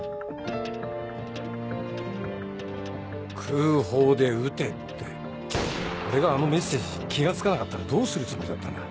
「くうほうでうて」って俺があのメッセージに気が付かなかったらどうするつもりだったんだ？